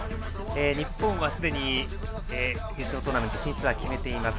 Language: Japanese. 日本は、すでに決勝トーナメント進出は決めています。